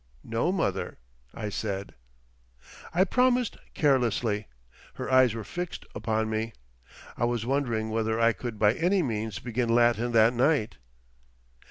"No, mother," I said. I promised carelessly. Her eyes were fixed upon me. I was wondering whether I could by any means begin Latin that night.